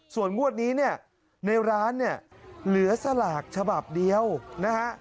ส่วนงวดนี้เนี่ยในร้านเนี่ยเหลือสลากฉบับเดียวนะฮะ